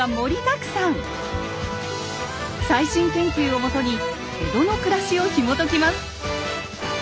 最新研究をもとに江戸の暮らしをひもときます。